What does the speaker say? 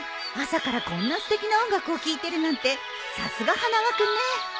朝からこんなすてきな音楽を聴いてるなんてさすが花輪君ね！